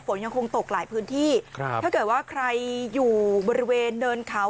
ฝนยังคงตกหลายพื้นที่ครับถ้าเกิดว่าใครอยู่บริเวณเนินเขา